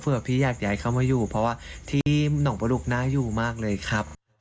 เพื่อพี่อยากย้ายเข้ามาอยู่เพราะว่าที่หนองประดุกน่าอยู่มากเลยครับ